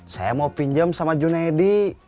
saya mau pinjem sama junedi